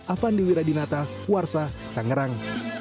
afandi wiradinata warsa tangerang